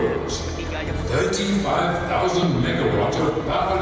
sepuluh juta kilometer perusahaan